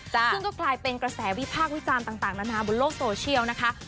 ซึ่งก็กลายเป็นกระแสวิพากษ์วิจารณ์ต่างนานาบนโลกโซเชียลนะคะ